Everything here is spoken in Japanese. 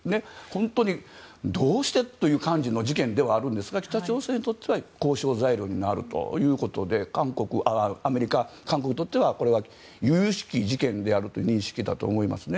本当にどうしてという感じの事件ではあるんですが北朝鮮にとっては交渉材料になるということでアメリカ、韓国にとっては由々しき事件であるという認識だと思います。